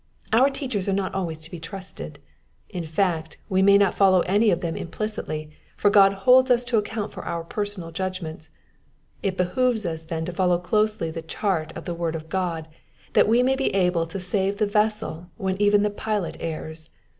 Our teachers are not always to be trusted ; in fact, we may not follow any of them implicitly, for God holds us to account for our personal judgments. It behoves us then to follow closely the chart of the Word of God, that we may be able to save the vessel when even the pilot errs.